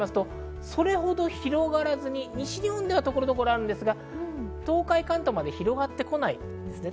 それほど広がらずに西日本では所々あるんですが、東海、関東までは広がってこないですね。